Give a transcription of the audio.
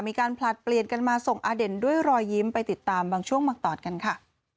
ผลัดเปลี่ยนกันมาส่งอเด่นด้วยรอยยิ้มไปติดตามบางช่วงบางตอนกันค่ะ